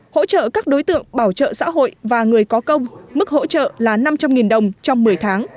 hỗ trợ các đối tượng bảo trợ xã hội và người có công mức hỗ trợ là năm trăm linh đồng trong một mươi tháng